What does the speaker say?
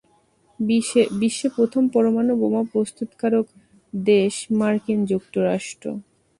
বিশ্বে প্রথম পরমাণু বোমা প্রস্তুতকারক দেশ মার্কিন যুক্তরাষ্ট্র।